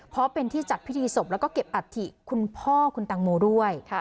เพราะเป็นที่จัดพิธีศพแล้วก็เก็บอัฐิคุณพ่อคุณตังโมด้วย